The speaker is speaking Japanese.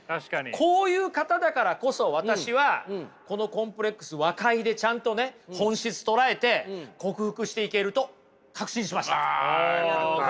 こういう方だからこそ私はこのコンプレックス和解でちゃんとね本質捉えてあよかったよかった。